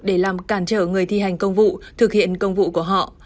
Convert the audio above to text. để làm cản trở người thi hành công vụ thực hiện công vụ của họ